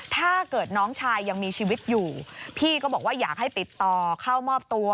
ถ้าเกิดน้องชายยังมีชีวิตอยู่พี่ก็บอกว่าอยากให้ติดต่อเข้ามอบตัว